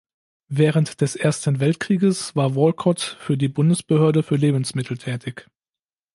Während des Ersten Weltkrieges war Walcott für die Bundesbehörde für Lebensmittel tätig.